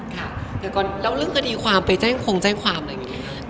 แต่ก่อนแล้วเรื่องคดีความไปแจ้งคงได้แจ้งความอะไรเยี่ยมแหนะ